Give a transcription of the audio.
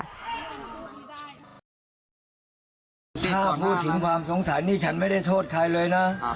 ถ้าพูดถึงความสงสัยนี่ฉันไม่ได้โทษใครเลยนะ